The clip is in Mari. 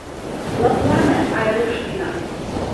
Лыплане, Айрушкина.